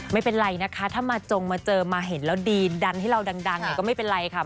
ไม่เป็นไรนะคะถ้ามาจงมาเจอมาเห็นแล้วดีดันให้เราดังเนี่ยก็ไม่เป็นไรค่ะ